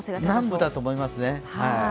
南部だと思いますね。